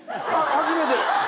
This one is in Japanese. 初めて。